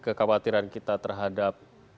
kekhawatiran kita terhadap